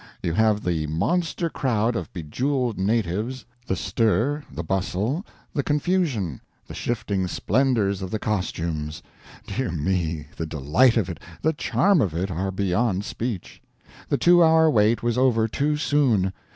You have the monster crowd of bejeweled natives, the stir, the bustle, the confusion, the shifting splendors of the costumes dear me, the delight of it, the charm of it are beyond speech. The two hour wait was over too soon.